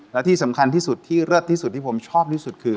และที่สำคัญที่สุดที่เลิศที่สุดที่ผมชอบที่สุดคือ